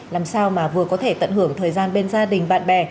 làm sao mà vừa có thể tận hưởng thời gian bên gia đình bạn bè